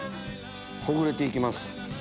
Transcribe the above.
ほぐれて行きます。